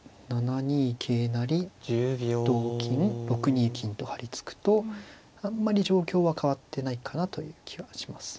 ６二金とはり付くとあんまり状況は変わってないかなという気はします。